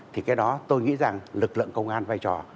thì cái đó tôi nghĩ rằng lực lượng công an vai trò